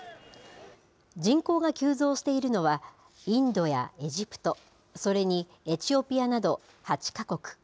人口が急増しているのは、インドやエジプト、それにエチオピアなど８か国。